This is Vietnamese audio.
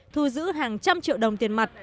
thu giữ hàng trăm triệu đồng tiền mặt